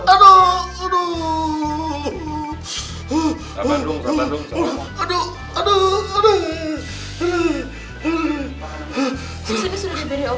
tapi bisa juga buat perisa penyakit yang lain namanya radiologi